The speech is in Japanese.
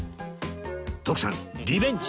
徳さんリベンジ！